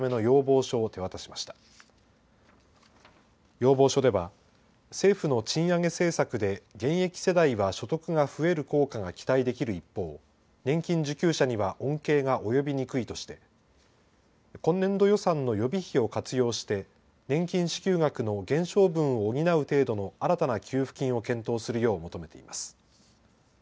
要望書では、政府の賃上げ政策で現役世代は所得が増える効果が期待できる一方、年金受給者には恩恵が及びにくいとして、今年度予算の予備費を活用して、年金支給額の減少分を補う程度の新たな給付金を検討するよう求めています。